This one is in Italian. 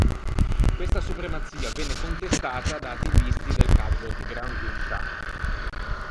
Questa supremazia venne contestata da attivisti del calibro di Granville Sharp.